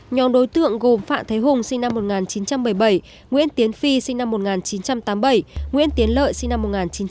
nhóm đối tượng gồm phạm thế hùng sinh năm một nghìn chín trăm bảy mươi bảy nguyễn tiến phi sinh năm một nghìn chín trăm tám mươi bảy nguyễn tiến lợi sinh năm một nghìn chín trăm tám mươi